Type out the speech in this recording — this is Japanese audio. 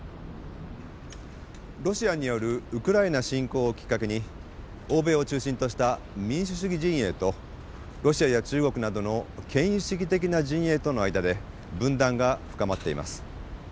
ロシアによるウクライナ侵攻をきっかけに欧米を中心とした民主主義陣営とロシアや中国などの権威主義的な陣営との間で分断が深まっています。